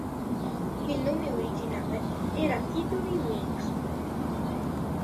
Il nome originale era "Tiddledy-Winks".